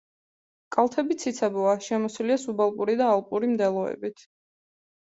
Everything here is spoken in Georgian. კალთები ციცაბოა, შემოსილია სუბალპური და ალპური მდელოებით.